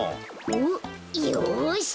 おっよし！